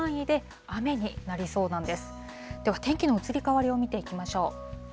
では、天気の移り変わりを見ていきましょう。